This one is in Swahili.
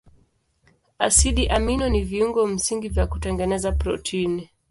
Asidi amino ni viungo msingi vya kutengeneza protini.